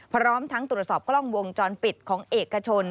พร้อมทั้งตรวจสอบกล้องวงจรปิดของเอกชน